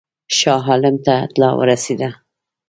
شاه عالم ته اطلاع ورسېده.